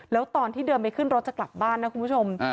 แล้วตอนที่เดินไปขึ้นรถจะกลับบ้านนะคุณผู้ชม